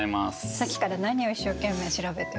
さっきから何を一生懸命調べてるの？